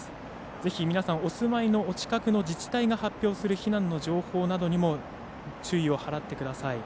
ぜひ皆さん、お住まいのお近くの自治体が発表する避難の情報などにも注意を払ってください。